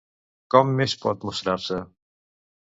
Com més pot mostrar-se?